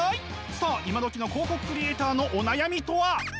さあ今どきの広告クリエーターのお悩みとは。